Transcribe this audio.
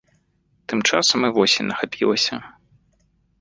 Тым часам і восень нахапілася.